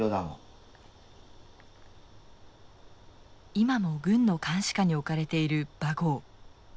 今も軍の監視下に置かれているバゴー。